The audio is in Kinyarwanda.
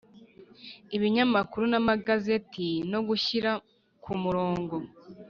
Ibinyamakuru n’amagazeti no gushyira ku murungo